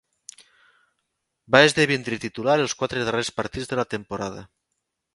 Va esdevindre titular als quatre darrers partits de la temporada.